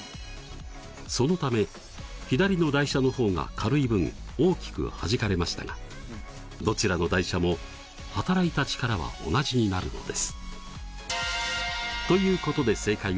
そのため左の台車の方が軽い分大きくはじかれましたがどちらの台車もはたらいた力は同じになるのです。ということでなるほど。